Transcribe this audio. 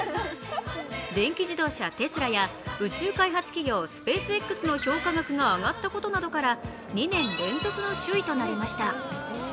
電気自動車テスラや宇宙開発企業スペースＸの評価額が上がったことなどから２年連続の首位となりました。